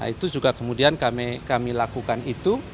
itu juga kemudian kami lakukan itu